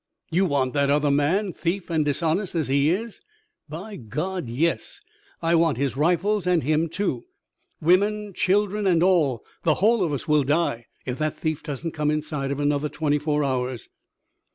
"You want that other man, thief and dishonest as he is?" "By God! yes! I want his rifles and him too. Women, children and all, the whole of us, will die if that thief doesn't come inside of another twenty four hours."